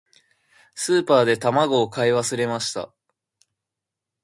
スーパーで卵を買い忘れました。